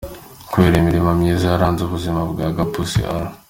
Kubera imirimo myiza yaranze ubuzima bwa Gapusi R.